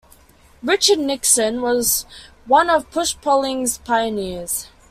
Richard Nixon was one of push polling's pioneers.